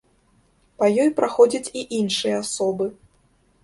Па ёй праходзяць і іншыя асобы.